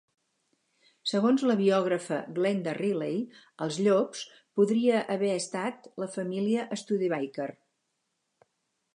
Segons la biògrafa Glenda Riley, "els llops" podria haver estat la família Studabaker.